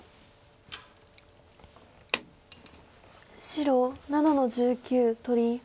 白７の十九取り。